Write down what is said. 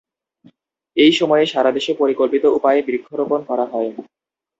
এই সময়ে সারাদেশে পরিকল্পিত উপায়ে বৃক্ষরোপণ করা হয়।